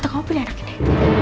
atau kamu pilih anak ini